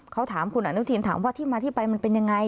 เขาถามคุณอนุทินถามว่าที่มาที่ไปมันเป็นยังไง